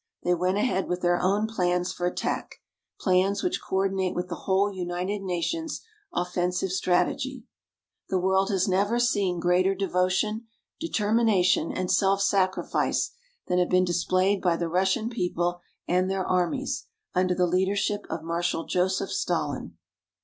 They went ahead with their own plans for attack plans which coordinate with the whole United Nations' offensive strategy. The world has never seen greater devotion, determination and self sacrifice than have been displayed by the Russian people and their armies, under the leadership of Marshal Joseph Stalin.